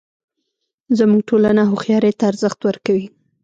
زموږ ټولنه هوښیارۍ ته ارزښت ورکوي